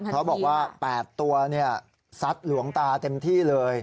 เขาบอกว่า๘ตัวซัดหลวงตาเต็มที่เลย